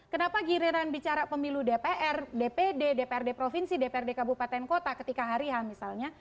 kenapa giliran bicara pemilu dpr dpd dprd provinsi dprd kabupaten kota ketika hari h misalnya